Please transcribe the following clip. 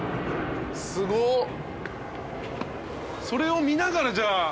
それを見ながらじゃあ。